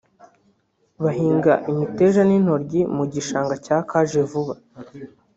bahingaga imiteja n’intoryi mu gishanga cya Kajevuba